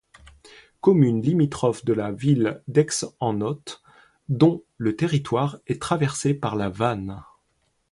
Commune limitrophe de la ville d'Aix-en-Othe dont le territoire est traversé par La Vanne.